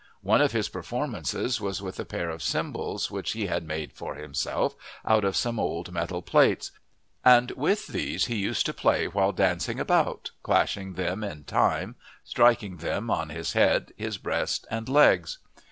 One of his performances was with a pair of cymbals which he had made for himself out of some old metal plates, and with these he used to play while dancing about, clashing them in time, striking them on his head, his breast, and legs.